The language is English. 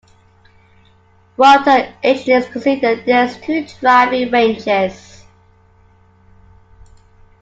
Roto engineers consider this two driving ranges.